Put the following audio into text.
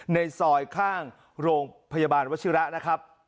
ในซอยข้างโรงพยาบาลวชิระนะครับ